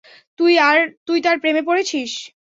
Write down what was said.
তুই তার প্রেমে পড়েছিস।